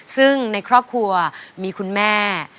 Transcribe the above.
ซึ่งในครอบครัวมีคุณแม่